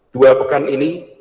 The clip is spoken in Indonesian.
dua pekan ini